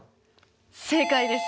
正解です。